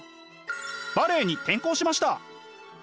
バレエに転向しました。